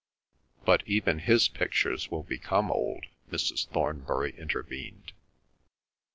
"But even his pictures will become old," Mrs. Thornbury intervened.